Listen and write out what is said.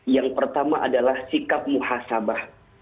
yang pertama adalah sikap muhasabah